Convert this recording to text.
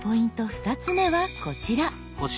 ２つ目はこちら。